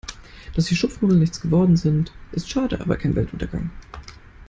Dass die Schupfnudeln nichts geworden sind, ist schade, aber kein Weltuntergang.